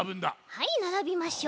はいならびましょう。